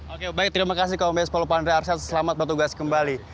oke baik terima kasih kompetensi polopan rearsal selamat bertugas kembali